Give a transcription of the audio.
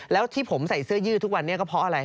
แล้วที่ผมใส่เสื้อยืดทุกวันนี้ก็เพราะอะไร